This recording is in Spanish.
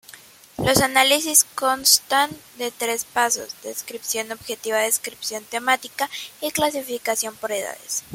Los análisis constan de tres pasos: descripción objetiva, descripción temática y clasificación por edades.